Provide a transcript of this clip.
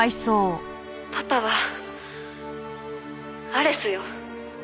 「パパはアレスよ」